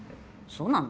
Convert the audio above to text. そうなの？